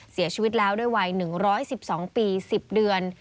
เสียชีวิตแล้วด้วยวัย๑๑๒ปี๑๐เดือน